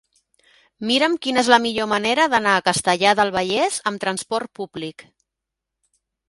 Mira'm quina és la millor manera d'anar a Castellar del Vallès amb trasport públic.